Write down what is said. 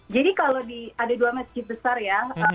jadi kalau di ada dua masjid besar ya